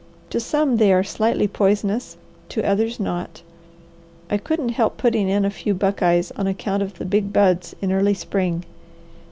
To some they are slightly poisonous, to others not. I couldn't help putting in a few buckeyes on account of the big buds in early spring.